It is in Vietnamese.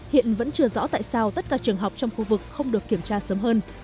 hiện vẫn chưa rõ tại sao tất cả trường học trong khu vực không được kiểm tra sớm hơn